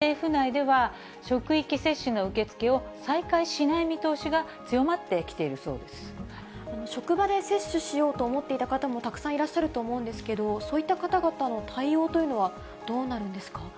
政府内では、職域接種の受け付けを再開しない見通しが強まってきているそうで職場で接種しようと思っていた方も、たくさんいらっしゃると思うんですけど、そういった方々の対応というのはどうなるんですか。